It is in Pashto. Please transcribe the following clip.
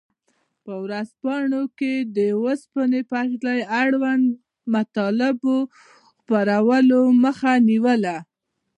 په ورځپاڼو کې د اوسپنې پټلیو اړوند مطالبو د خپرولو مخه نیوله.